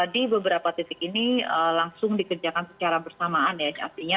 di beberapa titik ini langsung dikerjakan secara bersamaan ya